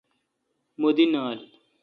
مہ دی نال۔